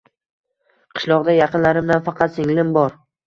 Qishloqda yaqinlarimdan faqat singlim bor